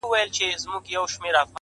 ما د مرگ ورځ به هم هغه ورځ وي؛